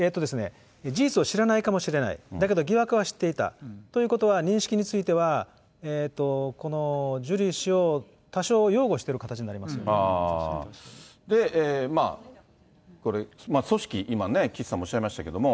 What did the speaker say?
事実を知らないかもしれない、だけど疑惑を知っていた、ということは認識についてはジュリー氏を多少擁護してる形になりで、これ組織、今岸さんもおっしゃいましたけれども。